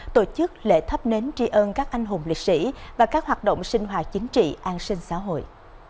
tổ chức lễ thắp nến tri ơn các anh hùng liệt sĩ và các hoạt động sinh hoạt chính trị an sinh xã hội